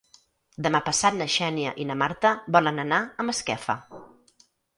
Demà passat na Xènia i na Marta volen anar a Masquefa.